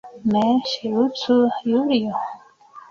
Ne ŝercu, Julio.